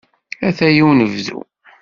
Ataya unebdu.